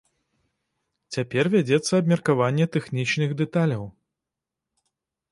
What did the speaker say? Цяпер вядзецца абмеркаванне тэхнічных дэталяў.